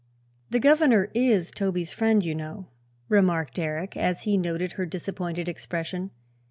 "The governor is Toby's friend, you know," remarked Eric, as he noted her disappointed expression.